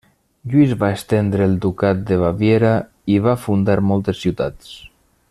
Lluís va estendre el ducat de Baviera i va fundar moltes ciutats.